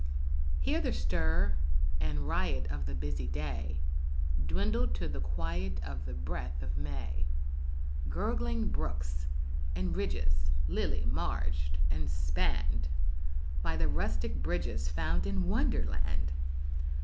Here the stir and riot of the busy day, Dwindled to the quiet of the breath of May; Gurgling brooks, and ridges lily marged, and spanned By the rustic bridges found in Wonderland!